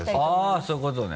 あっそういうことね。